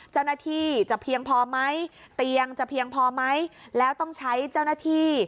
เจ้าหน้าที่จะเพียงพอไหมเตียงจะเพียงพอไหมแล้วต้องใช้เจ้าหน้าที่